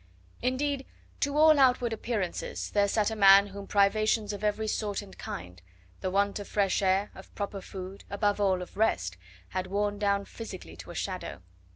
Indeed, to all outward appearances there sat a man whom privations of every sort and kind, the want of fresh air, of proper food, above all, of rest, had worn down physically to a shadow.